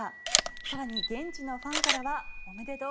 更に、現地のファンからはおめでとう！